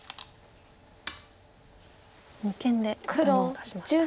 二間で頭を出しました。